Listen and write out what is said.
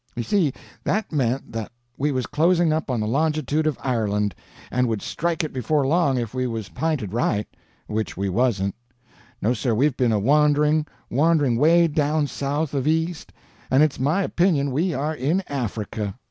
You see, that meant that we was closing up on the longitude of Ireland, and would strike it before long if we was p'inted right—which we wasn't. No, sir, we've been a wandering—wandering 'way down south of east, and it's my opinion we are in Africa.